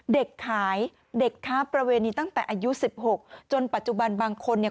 เด็กขายเด็กค้าประเวณีตั้งแต่อายุสิบหกจนปัจจุบันบางคนเนี่ย